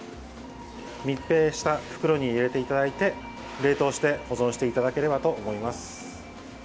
密閉した袋に入れていただいて冷凍して保存していただければと思います。